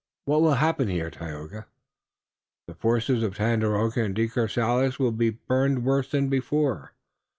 "What will happen here, Tayoga?" "The forces of Tandakora and De Courcelles will be burned worse than before.